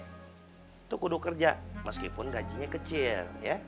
itu kuduk kerja meskipun gajinya kecil ya